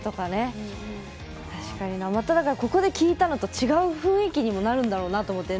ここで聴いたのと違う雰囲気になるんだろうなと思って。